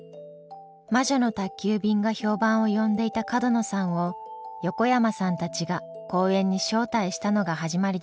「魔女の宅急便」が評判を呼んでいた角野さんを横山さんたちが講演に招待したのが始まりでした。